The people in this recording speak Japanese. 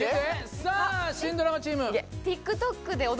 さぁ「新ドラマチーム」。